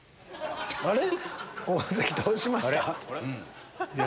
あれ⁉大関どうしました？